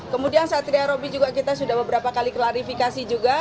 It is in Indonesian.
kemudian satria robi juga kita sudah beberapa kali klarifikasi juga